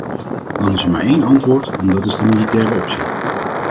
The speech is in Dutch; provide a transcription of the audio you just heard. Dan is er maar één antwoord en dat is de militaire optie.